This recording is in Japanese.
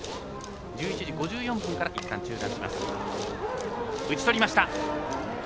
１１時５４分からいったん中断します。